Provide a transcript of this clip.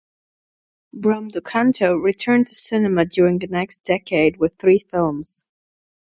Brum do Canto returned to cinema during the next decade with three films.